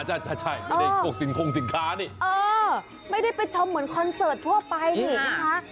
ใช่ไม่ได้ไปชมเหมือนคอนเสิร์ตทั่วไปนี่ค่ะ